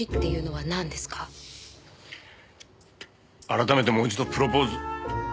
改めてもう一度プロポーズ。